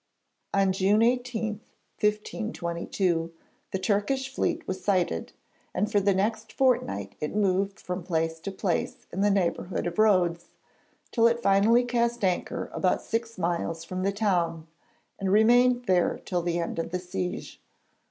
On June 18, 1522, the Turkish fleet was sighted, and for the next fortnight it moved from place to place in the neighbourhood of Rhodes, till it finally cast anchor about six miles from the town and remained there till the end of the siege.